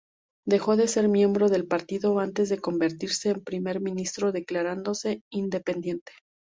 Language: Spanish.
Dejó de ser miembro del partido antes de convertirse en Primer Ministro, declarándose independiente.